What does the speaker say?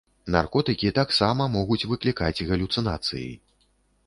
Наркотыкі таксама могуць выклікаць галюцынацыі.